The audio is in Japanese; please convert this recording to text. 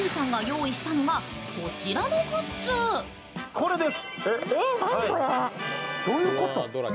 これです！